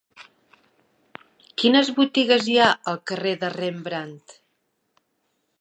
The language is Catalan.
Quines botigues hi ha al carrer de Rembrandt?